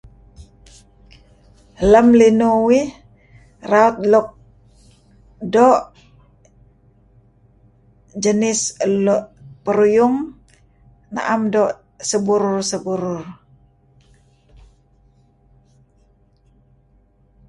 Lem linuh uih raut luk doo' jenis peruyung , na'em doo' seburur-seburur.